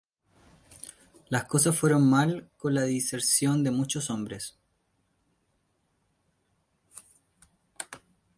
Las cosas fueron mal, con la deserción de muchos hombres.